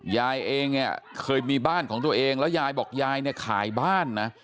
ยายเองเนี่ยเคยมีบ้านของตัวเองแล้วยายบอกยายเนี่ยขายบ้านนะ